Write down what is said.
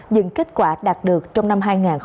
dựng kết quả đạt được trong năm hai nghìn hai mươi hai